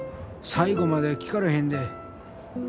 最後まで聴かれへんで。